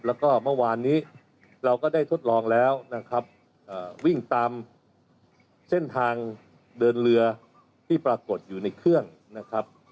แล้วก็เมื่อวานนี้เราก็ได้ทดลองแล้วนะครับวิ่งตามเส้นทางเดินเรือที่ปรากฏอยู่ในเครื่องนะครับ